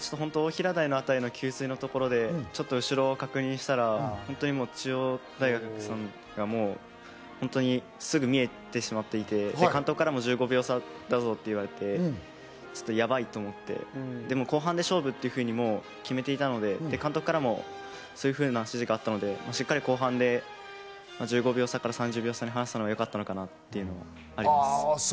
大平台の辺りの給水のところで後ろを確認したら、中央大学さんがもうすぐ見えてしまっていて、監督からも１５秒差だぞと言われて、やばいと思って、でも後半で勝負っていうふうに決めていたので、監督からもそういうふうな指示があったので、しっかり後半で１５秒差から３０秒差に離せたのがよかったのかなと思います。